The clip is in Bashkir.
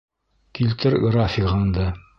Килтер графигыңды.